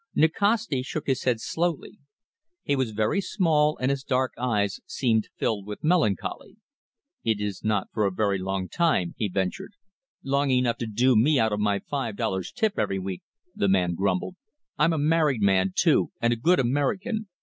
Nikasti shook his head slowly. He was very small, and his dark eyes seemed filled with melancholy. "It is not for a very long time," he ventured. "Long enough to do me out of my five dollars' tip every week," the man grumbled. "I'm a married man, too, and a good American.